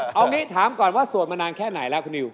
จะรักขวางว่าสวนมานานแค่ไหนล่ะคุณนิว